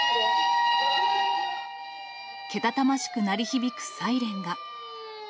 けたたましく鳴り響くサイレンが。